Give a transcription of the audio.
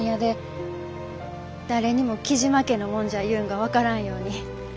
誰にも雉真家の者じゃいうんが分からんように。